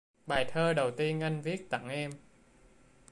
Bài thơ đầu tiên anh viết tặng em